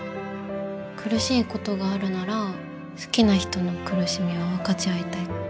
苦しいことがあるなら好きな人の苦しみは分かち合いたい。